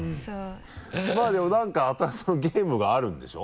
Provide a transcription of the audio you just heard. まぁでもなんかゲームがあるんでしょ？